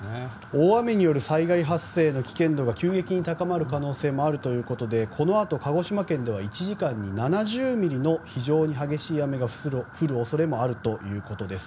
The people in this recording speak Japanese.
大雨による災害発生の危険度が急激に高まる可能性もあるということでこのあと鹿児島県では１時間に７０ミリの非常に激しい雨が降る恐れもあるということです。